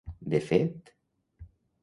De fet...